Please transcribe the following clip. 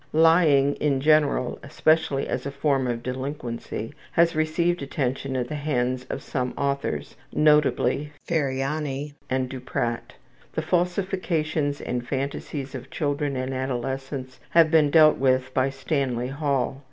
Lying, in general, especially as a form of delinquency, has received attention at the hands of some authors, notably Ferriani and Duprat. The falsifications and phantasies of children and adolescents have been dealt with by Stanley Hall.